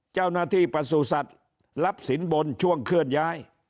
เจ้าหน้าที่ประสุทธิ์สัตว์รับสินบนช่วงเคลื่อนย้าย